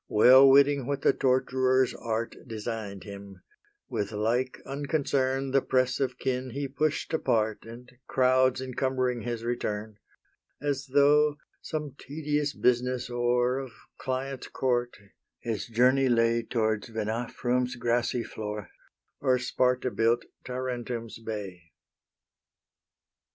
Well witting what the torturer's art Design'd him, with like unconcern The press of kin he push'd apart And crowds encumbering his return, As though, some tedious business o'er Of clients' court, his journey lay Towards Venafrum's grassy floor, Or Sparta built Tarentum's bay.